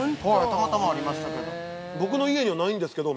たまたま、ありましたけど。